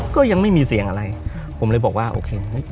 ก็ยังไม่มีเสียงอะไรผมเลยบอกว่าโอเค